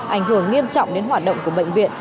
ảnh hưởng nghiêm trọng đến hoạt động của bệnh viện